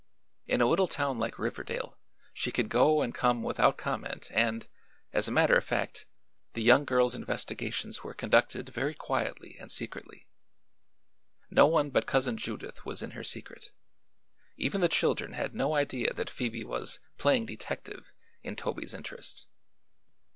In a little town like Riverdale she could go and come without comment and, as a matter of fact, the young girl's investigations were conducted very quietly and secretly. No one but Cousin Judith was in her secret; even the children had no idea that Phoebe was "playing detective" in Toby's interest.